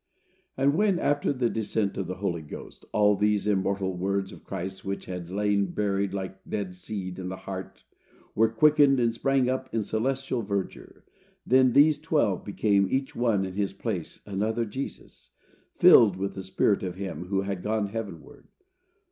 And when, after the descent of the Holy Ghost, all these immortal words of Christ, which had lain buried like dead seed in the heart, were quickened and sprang up in celestial verdure, then these twelve became, each one in his place, another Jesus, filled with the spirit of him who had gone heavenward.